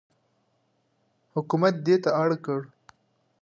حکومت دې ته مجبور کړ.